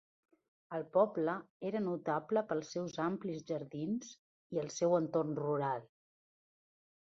El poble era notable pels seus amplis jardins, i el seu entorn rural.